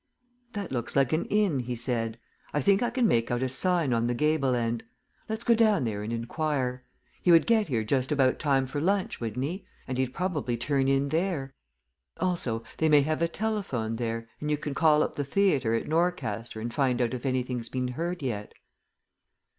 "That looks like an inn," he said. "I think I can make out a sign on the gable end. Let's go down there and inquire. He would get here just about time for lunch, wouldn't he, and he'd probably turn in there. Also they may have a telephone there, and you can call up the theatre at Norcaster and find out if anything's been heard yet."